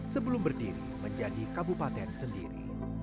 sebelum berdiri menjadi kabupaten sendiri